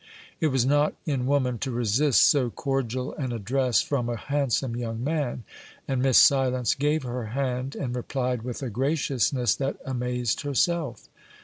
It was not in woman to resist so cordial an address from a handsome young man, and Miss Silence gave her hand, and replied with a graciousness that amazed herself.